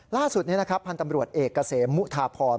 ล่าสุดนี้พันธ์ตำรวจเอกเกษมมุธาพร